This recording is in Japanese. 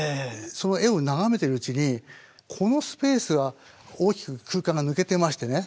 その絵を眺めてるうちにこのスペースは大きく空間が抜けてましてね。